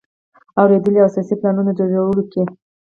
اوریدلو او اساسي پلانونو د جوړولو کې.